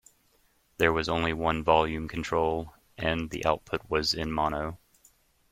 There was only one volume control, and the output was in mono.